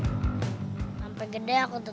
sampai gede aku tetap masuk